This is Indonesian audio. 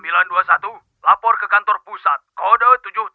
sembilan ratus dua puluh satu lapor ke kantor pusat kode tujuh puluh tujuh